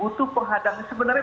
butuh penghadangan sebenarnya